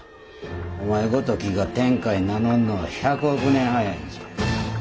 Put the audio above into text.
お前ごときが天海名乗んのは１００億年早いんじゃ。